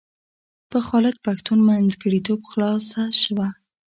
په خالد پښتون منځګړیتوب خلاصه شوه.